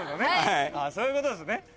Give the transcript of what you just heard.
ああそういうことですね。